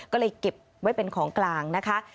ก็เลยเก็บไว้เป็นของกลางนะคะ